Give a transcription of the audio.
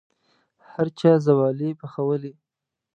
هر چا ځوالې پخولې.